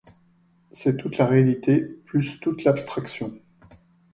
C’est toute la réalité, plus toute l’abstraction.